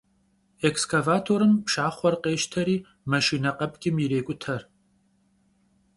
Ekskavatorım pşşaxhuer khêşteri maşşine khepç'ım yirêk'ute.